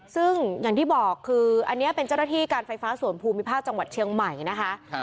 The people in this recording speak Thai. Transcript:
ซึ่งอย่างที่บอกคืออันนี้เป็นเจ้าหน้าที่การไฟฟ้าส่วนภูมิภาคจังหวัดเชียงใหม่นะคะ